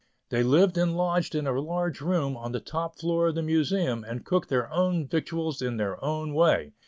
They lived and lodged in a large room on the top floor of the Museum, and cooked their own victuals in their own way.